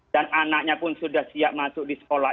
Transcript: dan anaknya pun sudah siap masuk di sekolah